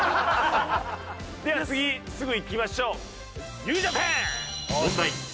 では次すぐいきましょう。